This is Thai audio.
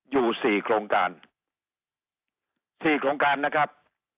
อยู่ที่โครงการนะครับ